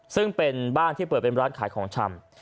ซึ่งเป็นบ้านที่เปิดเป็นร้านขายของชำ